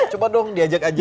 cuma dong diajak ajak gitu ya